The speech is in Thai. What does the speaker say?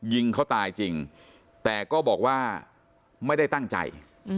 ยิงเขาตายจริงแต่ก็บอกว่าไม่ได้ตั้งใจ